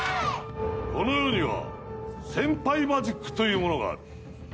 この世には先輩マジックというものがある。